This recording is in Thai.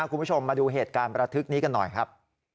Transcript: คุณผู้ชมมาดูเหตุการณ์ประทึกนี้กันหน่อยครับ